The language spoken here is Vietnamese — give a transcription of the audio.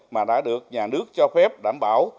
mà đã được nhà nước cho phép đảm bảo